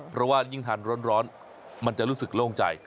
เพราะว่ายิ่งทานร้อนมันจะรู้สึกโล่งใจ